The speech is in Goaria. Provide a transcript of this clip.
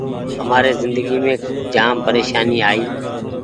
همآري زندگي مينٚ جآم پريشاني آئي